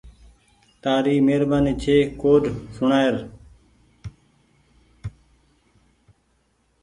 تآري مهربآني ڇي ڪوڊ سوڻآئي۔